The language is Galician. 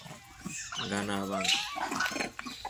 Gana a banca.